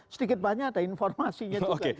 sedikit banyak ada informasinya juga